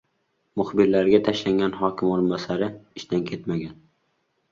Muxbirlarga tashlangan hokim o‘rinbosari ishdan ketmagan